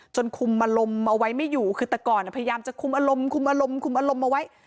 คุมอารมณ์เอาไว้ไม่อยู่คือแต่ก่อนพยายามจะคุมอารมณ์คุมอารมณ์คุมอารมณ์เอาไว้